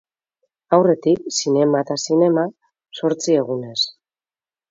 Aurretik, zinema eta zinema, zortzi egunez.